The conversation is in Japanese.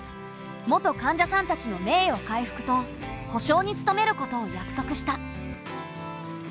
元患者さんたちの名誉回復と保障に努めることを約束した。